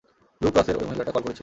Blue ক্রসের ওই মহিলাটা কল করেছিল।